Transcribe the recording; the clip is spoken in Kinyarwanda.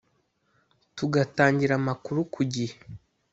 Tugatangira amakuru ku gihe